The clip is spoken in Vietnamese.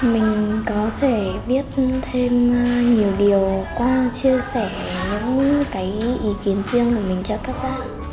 mình có thể biết thêm nhiều điều qua chia sẻ những cái ý kiến riêng của mình cho các bạn